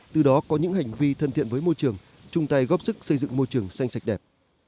từ đó có những hành vi thân thiện với môi trường chung tay góp sức xây dựng môi trường xanh sạch đẹp